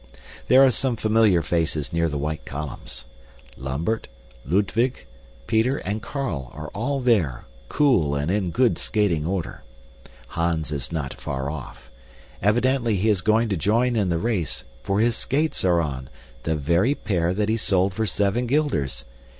There are some familiar faces near the white columns. Lambert, Ludwig, Peter, and Carl are all there, cool and in good skating order. Hans is not far off. Evidently he is going to join in the race, for his skates are on the very pair that he sold for seven guilders!